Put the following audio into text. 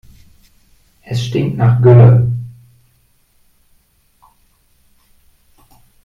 Es stinkt nach Gülle.